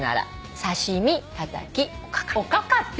「おかか」って。